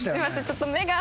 ちょっと目が。